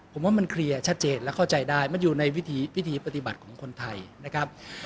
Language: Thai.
ผมว่ามันเคลียร์ชัดเจนและเข้าใจได้มันอยู่ในวิธีปฏิบัติของคนไทยนะครับ